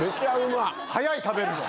早い食べるの。